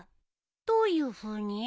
どういうふうに？